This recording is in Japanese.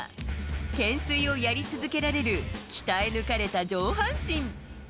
懸垂をやり続けられる鍛え抜かれた上半身。